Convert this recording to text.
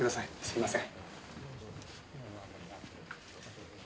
すいません。